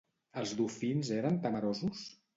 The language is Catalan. Els dofins eren temerosos?